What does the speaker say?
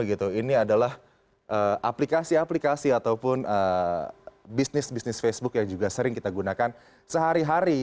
ini adalah aplikasi aplikasi ataupun bisnis bisnis facebook yang juga sering kita gunakan sehari hari